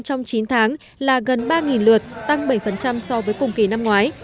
trong chín tháng là gần ba lượt tăng bảy so với cùng kỳ năm ngoái